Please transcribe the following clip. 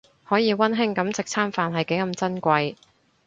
可以溫馨噉食餐飯係幾咁珍貴